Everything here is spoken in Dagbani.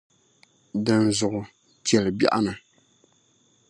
Dinzuɣu cheli biɛɣuni